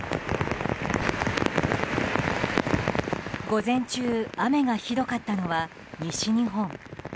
午前中、雨がひどかったのは西日本。